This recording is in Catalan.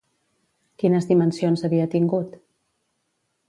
Quines dimensions havia tingut?